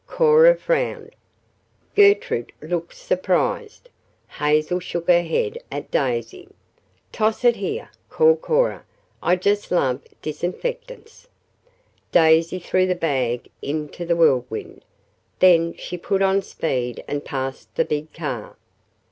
'" Cora frowned. Gertrude looked surprised. Hazel shook her head at Daisy. "Toss it here," called Cora. "I just love disinfectants." Daisy threw the bag into the Whirlwind. Then she put on speed and passed the big car.